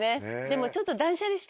でもちょっと。